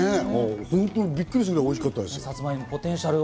本当にびっくりするぐらい、おいしかったです。